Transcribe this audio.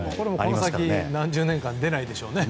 この先何十年間出ないでしょうね。